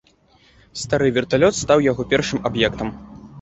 Стары верталёт стаў яго першым аб'ектам.